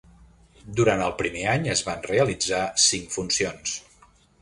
Durant el primer any es van realitzar cinc funcions.